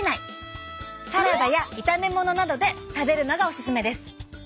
サラダや炒めものなどで食べるのがオススメです！